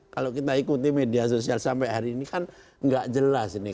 kalau kita ikuti media sosial sampai hari ini kan nggak jelas ini